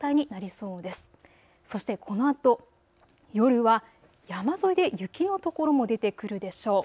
そしてこのあと夜は山沿いで雪の所も出てくるでしょう。